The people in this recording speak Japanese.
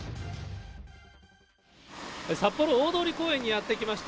札幌大通公園にやって来ました。